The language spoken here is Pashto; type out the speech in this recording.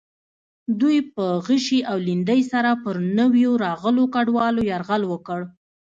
دوی په غشي او لیندۍ سره پر نویو راغلو کډوالو یرغل وکړ.